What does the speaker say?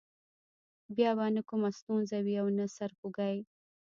بیا به نه کومه ستونزه وي او نه سر خوږی.